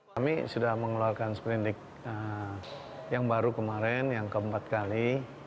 kami sudah mengeluarkan seperindik yang baru kemarin yang keempat kali